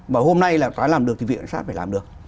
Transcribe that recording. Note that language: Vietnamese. mà hôm nay là toán làm được thì vị cảnh sát phải làm được